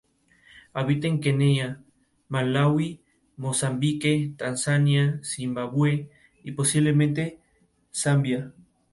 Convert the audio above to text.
Habita en Kenia, Malaui, Mozambique, Tanzania, Zimbabue y posiblemente Zambia.